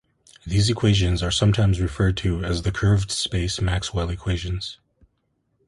These equations are sometimes referred to as the curved space Maxwell equations.